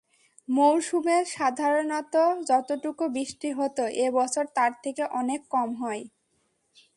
মৌসুমে সাধারণত যতটুকু বৃষ্টি হত এ বছর তার থেকে অনেক কম হয়।